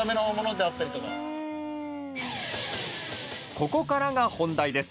ここからが本題です。